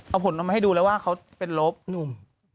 เอาผลออกมาให้ดูแล้วว่าเขาเป็นลบหนุ่ม